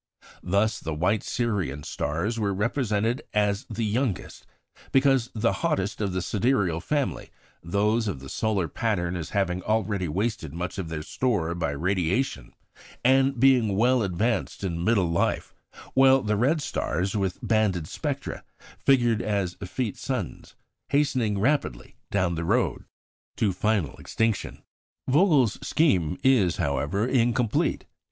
Thus, the white Sirian stars were represented as the youngest because the hottest of the sidereal family; those of the solar pattern as having already wasted much of their store by radiation, and being well advanced in middle life; while the red stars with banded spectra figured as effete suns, hastening rapidly down the road to final extinction. Vogel's scheme is, however, incomplete.